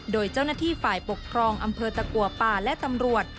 โดยเจ้าหน้าที่ฝ่ายปกครองอำเภอตะกัวป่าและตำรวจ